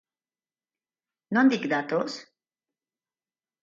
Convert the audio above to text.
Nondik datoz?